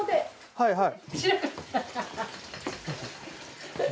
はいはい。